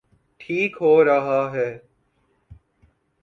ٹھیک ہو رہا ہے۔